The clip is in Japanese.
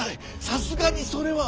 さすがにそれは。